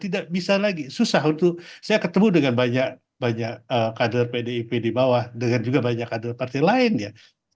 tidak bisa lagi susah untuk saya ketemu dengan banyak kader pdip di bawah dengan juga banyak kader partai lain ya